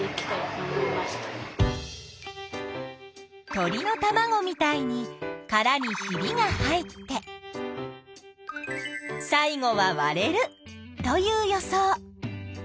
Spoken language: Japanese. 鳥のたまごみたいにカラにひびが入って最後はわれるという予想。